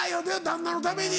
旦那のために。